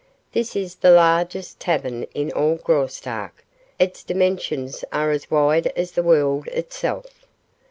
This is the largest tavern in all Graustark. Its dimensions are as wide as the world itself."